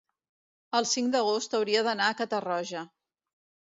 El cinc d'agost hauria d'anar a Catarroja.